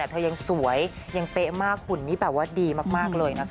เธอยังสวยยังเป๊ะมากหุ่นนี้แบบว่าดีมากเลยนะคะ